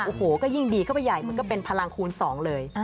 โอ้โฮก็ยิ่งดีเข้าไปใหญ่ก็เป็นพลังคูณ๒เลย